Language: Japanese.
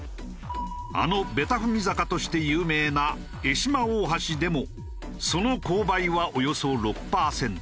あのベタ踏み坂として有名な江島大橋でもその勾配はおよそ６パーセント。